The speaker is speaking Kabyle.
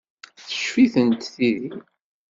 Teccef-itent tidi.